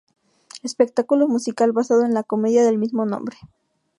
Espectáculo musical basado en la comedia del mismo nombre.